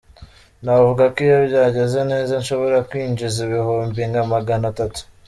Navuga ko iyo byagenze neza nshobora kwinjiza ibihumbi nka magana atatu.